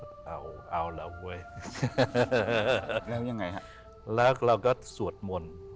แล้วยังไงครับแล้วเราก็สวดมนตร์